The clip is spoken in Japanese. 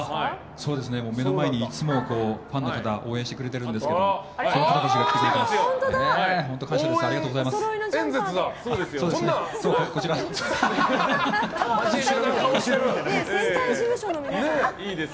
目の前にいつもファンの方が応援してくれてるんですけどこの方たちが来てくれています。